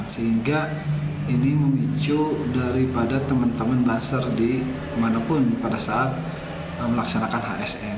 sehingga ini memicu daripada teman teman banser di manapun pada saat melaksanakan asn